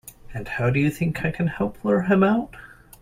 And how do you think I can help lure him out?